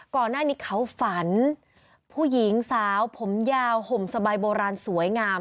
ก่อนหน้านี้เขาฝันผู้หญิงสาวผมยาวห่มสบายโบราณสวยงาม